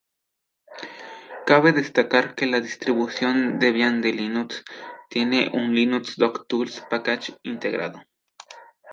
Cabe destacar que la distribución Debian de Linux tiene un LinuxDoc-Tools Package integrado.